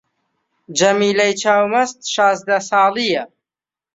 جەمیلەی چاو مەست شازدە ساڵی یە